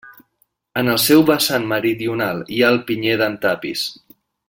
En el seu vessant meridional hi ha el Pinyer d'en Tapis.